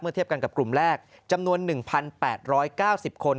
เทียบกันกับกลุ่มแรกจำนวน๑๘๙๐คน